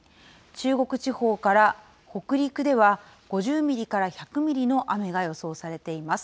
中国地方から北陸では、５０ミリから１００ミリの雨が予想されています。